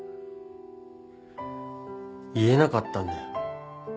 言えなかったんだよ。